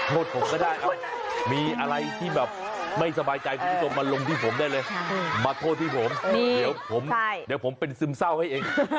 โทษผมก็ได้มีอะไรที่แบบไม่สบายใจคุณผู้ชมมาลงที่ผมได้เลยมาโทษที่ผมเดี๋ยวผมเป็นซึมเศร้าให้เอง